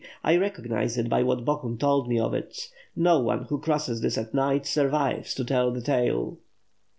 "I recognize it by what Bohun told me of it. No one who crosses this at night survives to tell the tale."